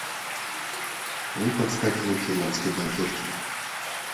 Он подскакивал к ирландской банкетке.